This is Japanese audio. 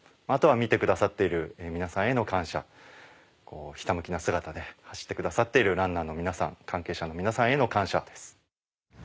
あとは見てくださっている皆さんへの感謝ひた向きな姿で走ってくださっているランナーの皆さん関係者の皆さんへの感謝です。